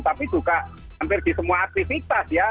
tapi juga hampir di semua aktivitas ya